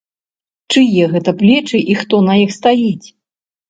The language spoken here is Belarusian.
Чые гэта плечы і хто на іх стаіць?